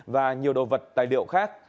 và nhiều đồ vật tài liệu khác